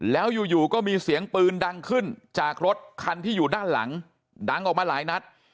แล้วอยู่ก็มีเสียงปืนดังขึ้นจากรถคันที่อยู่ด้านหลังดังออกมาหลายนัด